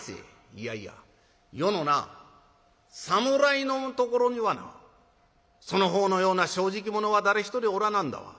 「いやいや余のな侍のところにはなその方のような正直者は誰一人おらなんだわ。